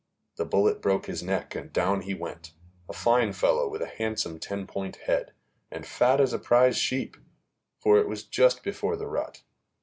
The bullet broke his neck and down he went a fine fellow with a handsome ten point head, and fat as a prize sheep; for it was just before the rut.